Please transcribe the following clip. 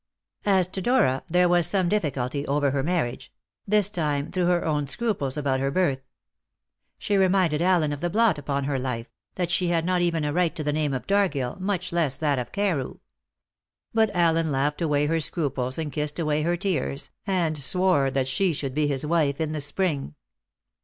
As to Dora, there was some difficulty over her marriage this time through her own scruples about her birth. She reminded Allen of the blot upon her life that she had not even a right to the name of Dargill, much less that of Carew. But Allen laughed away her scruples and kissed away her tears, and swore that she should be his wife in the spring.